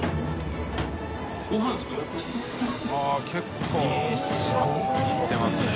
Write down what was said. ◆舛結構いってますね。